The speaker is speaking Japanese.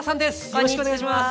よろしくお願いします。